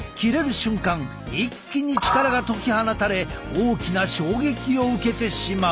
瞬間一気に力が解き放たれ大きな衝撃を受けてしまう。